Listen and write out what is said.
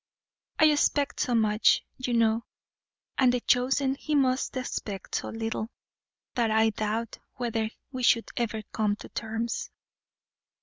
"I expect so much, you know, and the chosen he must expect so little, that I doubt whether we should ever come to terms."